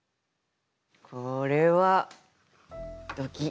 これはドキッ。